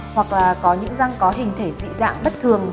hoặc có những răng có hình thể dị dạng bất thường